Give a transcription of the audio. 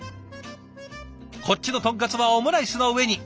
こっちの豚カツはオムライスの上に。